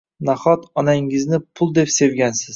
Nahot, onangizni pul deb sevgansiz?